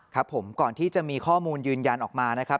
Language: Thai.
ครับผมก่อนที่จะมีข้อมูลยืนยันออกมานะครับ